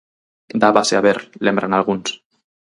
Dábase a ver, lembran algúns.